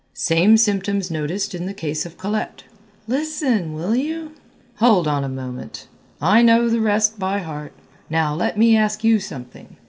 "Same symptoms noticed in the case of Colette." "Listen, will you?" "Hold on a moment, I know the rest by heart. Now let me ask you something.